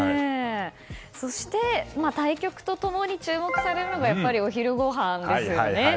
そして対局と共に注目されるのがやっぱりお昼ごはんですよね